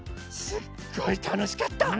すっごいたのしかった。